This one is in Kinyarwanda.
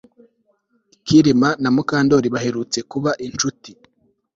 Kirima na Mukandoli baherutse kuba inshuti